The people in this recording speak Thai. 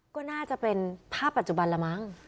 ก็น่าจะเป็นภาพปัจจุบันละมั้ง